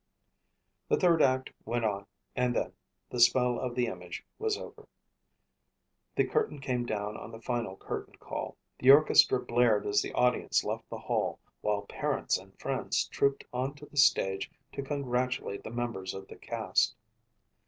The third act went on and then "The Spell of the Image" was over. The curtain came down on the final curtain call. The orchestra blared as the audience left the hall while parents and friends trooped onto the stage to congratulate the members of the cast.